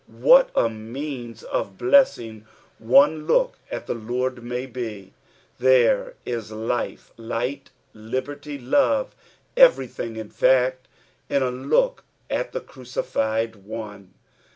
What a means of blesang one look at the Lord may be ! There is life, light, liberty, love, everything in fact, in a look at the crucified One.